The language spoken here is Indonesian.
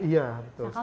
iya betul sekali